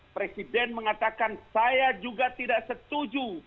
presiden mengatakan saya juga tidak setuju